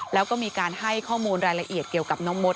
แล้วก็มีการให้ข้อมูลรายละเอียดเกี่ยวกับน้องมด